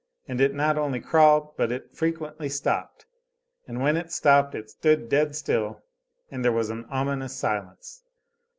And it not only crawled, but it frequently stopped; and when it stopped it stood dead still and there was an ominous silence.